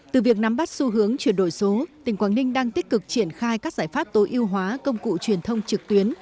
từ việc nắm bắt xu hướng chuyển đổi số tỉnh quảng ninh đang tích cực triển khai các giải pháp tối ưu hóa công cụ truyền thông trực tuyến